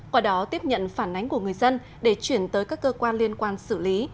qua đó tiếp nhận phản ánh của người dân để chuyển tới các cơ quan liên quan xử lý